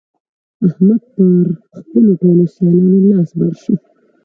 احمد پر خپلو ټولو سيالانو لاس بر شو.